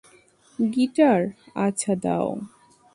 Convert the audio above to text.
Guitar, আচ্ছা দাও।